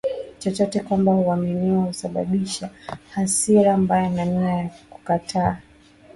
chochote kwamba haaminiwi husababisha hasira mbaya na nia ya kukataa